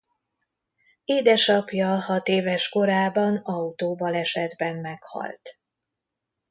Édesapja hatéves korában autóbalesetben meghalt.